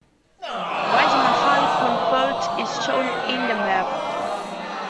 Rajmahal coalfield is shown in the map.